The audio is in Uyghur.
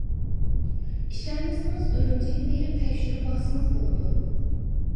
ئىشەنمىسىڭىز ئۈرۈمچىگە بېرىپ تەكشۈرۈپ باقسىڭىز بولىدۇ.